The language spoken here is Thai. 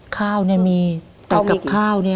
ข้าวมีกับข้าว